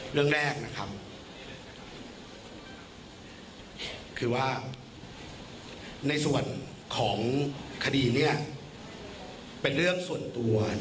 เรื่องแรกคือว่าในส่วนของคดีเป็นเรื่องส่วนตัว